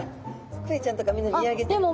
クエちゃんとかみんな見上げてる。